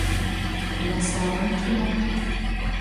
НэсагъэнкӀи мэхъу.